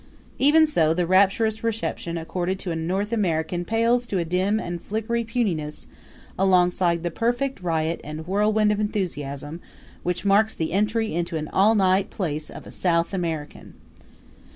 Even so, the rapturous reception accorded to a North American pales to a dim and flickery puniness alongside the perfect riot and whirlwind of enthusiasm which marks the entry into an all night place of a South American.